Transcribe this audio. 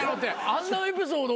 あんなエピソード